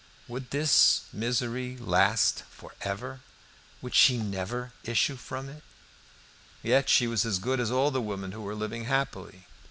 Would this misery last for ever? Would she never issue from it? Yet she was as good as all the women who were living happily.